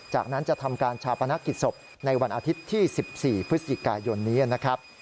จากนั้นจะทำการชาปนกิจศพในวันอาทิตย์ที่๑๔พฤศจิกายนนี้นะครับ